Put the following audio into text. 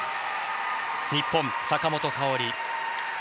日本、坂本花織。